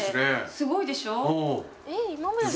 すごいでしょ？